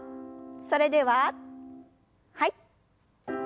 それでははい。